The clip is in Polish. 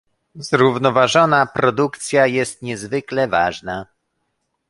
Zrównoważona produkcja jest niezwykle ważna